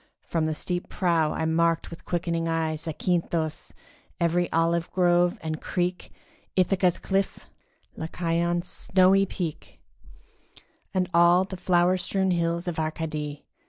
From the steep prow I marked with quickening eye Zakynthos, every olive grove and creek, Ithaca's cliff, Lycaon's snowy peak, And all the flower strewn hills of Arcady.